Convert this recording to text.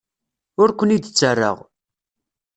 Ur ken-id-ttarraɣ.